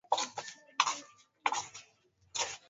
kuna njia bora za kupika vyakuala ili kutunzaa virutubisho